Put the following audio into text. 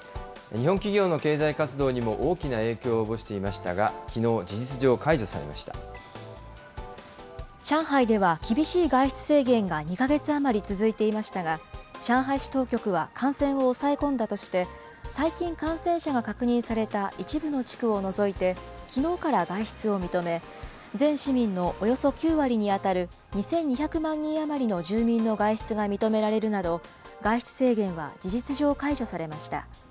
日本企業の経済活動にも大きな影響を及ぼしていましたが、き上海では、厳しい外出制限が２か月余り続いていましたが、上海市当局は感染を抑え込んだとして、最近、感染者が確認された一部の地区を除いて、きのうから外出を認め、全市民のおよそ９割に当たる、２２００万人余りの住民の外出が認められるなど、外出制限は事実上解除されました。